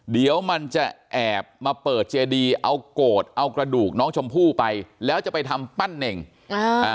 เดี๋ยวมันจะแอบมาเปิดเจดีเอาโกรธเอากระดูกน้องชมพู่ไปแล้วจะไปทำปั้นเน่งอ่าอ่า